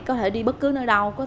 có thể đi bất cứ nơi đâu